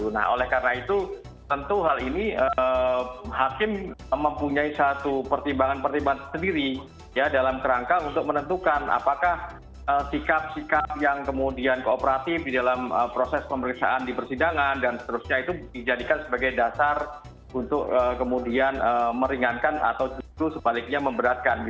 nah oleh karena itu tentu hal ini hakim mempunyai satu pertimbangan pertimbangan sendiri ya dalam kerangka untuk menentukan apakah sikap sikap yang kemudian kooperatif di dalam proses pemeriksaan di persidangan dan seterusnya itu dijadikan sebagai dasar untuk kemudian meringankan atau sebaliknya memberatkan